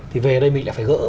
thì về đây mình lại phải gỡ